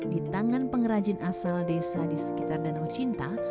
di tangan pengrajin asal desa di sekitar danau cinta